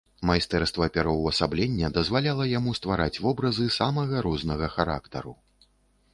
Майстэрства пераўвасаблення дазваляла яму ствараць вобразы самага рознага характару.